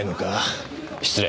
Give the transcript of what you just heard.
失礼。